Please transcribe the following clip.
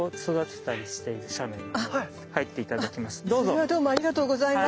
それはどうもありがとうございます。